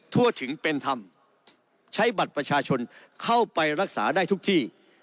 ทั่วถึงเป็นธรรมใช้บัตรประชาชนเข้าไปรักษาได้ทุกที่